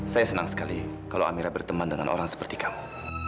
saya senang sekali kalau amira berteman dengan orang seperti kamu